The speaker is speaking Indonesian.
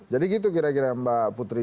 jadi gitu kira kira mbak putri